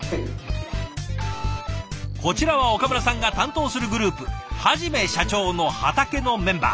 こちらは岡村さんが担当するグループ「はじめしゃちょーの畑」のメンバー。